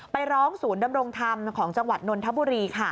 ไปร้องศูนย์ดำรงธรรมของจังหวัดนนทบุรีค่ะ